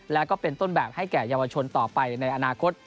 แล้วก็เป็นต้นแบบให้แก่เยาวชนต่อไปในอนาคต